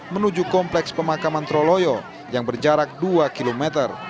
menuju kompleks pemakaman troloyo yang berjarak dua km